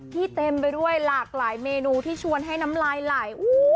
เต็มไปด้วยหลากหลายเมนูที่ชวนให้น้ำลายไหล